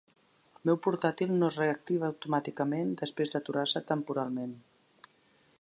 El meu portàtil no es reactiva automàticament després d'aturar-se temporalment.